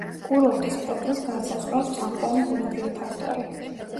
კურორტის პროფილს განსაზღვრავს წამყვანი ბუნებრივი ფაქტორი.